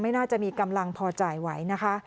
น่าจะมีกำลังพอจ่ายไหวนะคะ